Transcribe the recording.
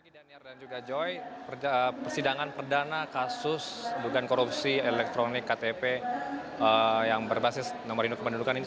dan juga joy sidangan perdana kasus bukan korupsi elektronik ktp yang berbasis nomor indok pendudukan ini